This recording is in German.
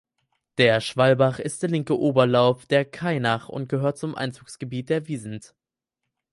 Der Schwalbach ist der linke Oberlauf der Kainach und gehört zum Einzugsgebiet der Wiesent.